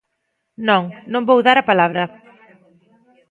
Non, non vou dar a palabra.